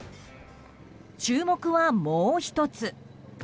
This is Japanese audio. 注目は、もう１つ。